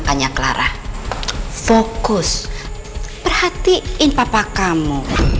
sekarang jelasin ke aku